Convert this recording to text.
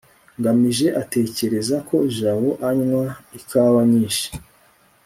ngamije atekereza ko jabo anywa ikawa nyinshi